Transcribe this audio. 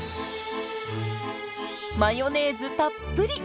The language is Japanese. マヨネーズたっぷり！